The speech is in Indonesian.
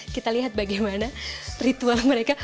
kita lihat bagaimana ritual mereka